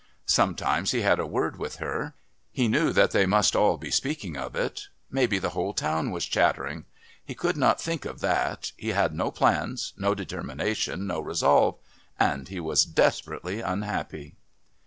Sometimes he had a word with her. He knew that they must all be speaking of it. Maybe the whole town was chattering. He could not think of that. He had no plans, no determination, no resolve and he was desperately unhappy....